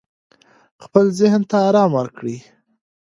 خپل ذهن ته آرام ورکړئ.